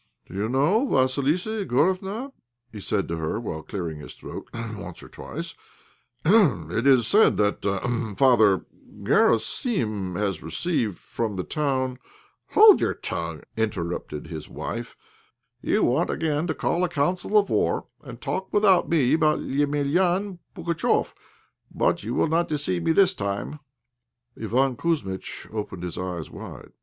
"Do you know, Vassilissa Igorofna," said he to her, while clearing his throat once or twice, "it is said that Father Garosim has received from the town " "Hold your tongue," interrupted his wife; "you want again to call a council of war, and talk without me about Emelian Pugatchéf; but you will not deceive me this time." Iván Kouzmitch opened his eyes wide.